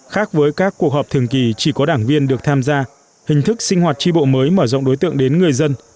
khác với các cuộc họp thường kỳ chỉ có đảng viên được tham gia hình thức sinh hoạt tri bộ mới mở rộng đối tượng đến người dân